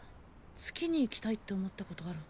月に行きたいって思ったことある？